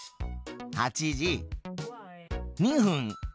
８時２分。